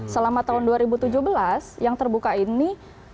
selama tahun dua ribu tujuh belas yang terbuka ini